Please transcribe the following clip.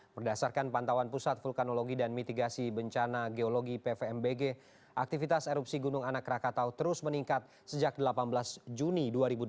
berdasarkan pantauan pusat vulkanologi dan mitigasi bencana geologi pvmbg aktivitas erupsi gunung anak rakatau terus meningkat sejak delapan belas juni dua ribu dua puluh